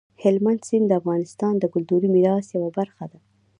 هلمند سیند د افغانستان د کلتوري میراث یوه برخه ده.